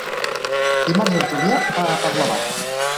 Dimarts en Julià va a Parlavà.